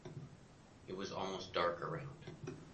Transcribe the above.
It was almost dark around.